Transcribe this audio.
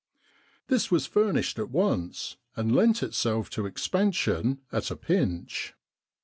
This was furnished at once and lent itself to expansion at a pinch.